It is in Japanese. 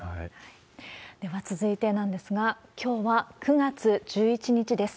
では続いてなんですが、きょうは９月１１日です。